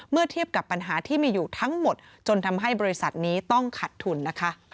เทียบกับปัญหาที่มีอยู่ทั้งหมดจนทำให้บริษัทนี้ต้องขัดทุนนะคะ